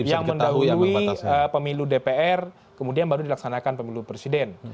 yang mendahului pemilu dpr kemudian baru dilaksanakan pemilu presiden